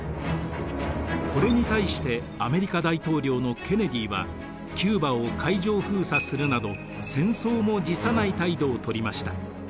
これに対してアメリカ大統領のケネディはキューバを海上封鎖するなど戦争も辞さない態度をとりました。